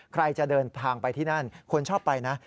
ใครจะเดินทางไปที่นั่นคนชอบไปนะ